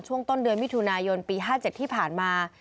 ช่วงต้นเดือนมิถุนายนปี๕๗ที่ผ่านมา